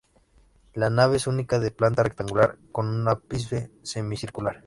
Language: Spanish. La nave es única de planta rectangular con un ábside semicircular.